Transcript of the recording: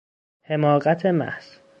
حماقت محض